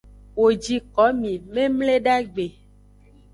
Wo ji komi memledagbe.